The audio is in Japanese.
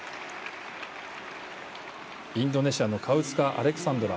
インドネシアのアレクサンドラ。